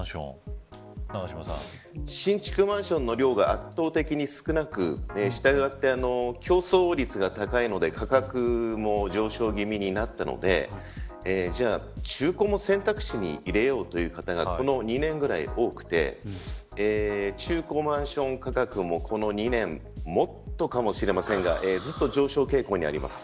新築マンションの量が圧倒的に少なく従って競争率が高いので価格も上昇気味になったのでじゃあ中古も選択肢に入れようという方がこの２年ぐらい多くて中古マンション価格もこの２年もっとかもしれませんがずっと上昇傾向にあります。